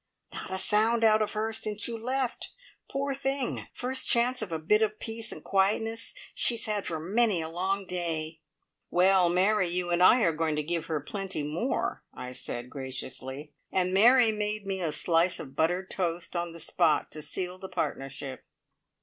"Not a sound out of her since you left! Poor thing! First chance of a bit of peace and quietness she's had for many a long day." "Well, Mary, you and I are going to give her plenty more!" I said graciously, and Mary made me a slice of buttered toast on the spot to seal the partnership.